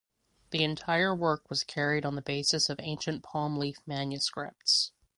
The entire work was carried on the basis of ancient palm leaf manuscripts.